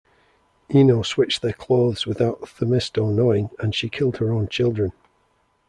Ino switched their clothes without Themisto knowing and she killed her own children.